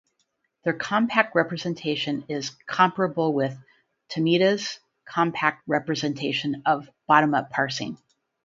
Their compact representation is comparable with Tomita's compact representation of bottom-up parsing.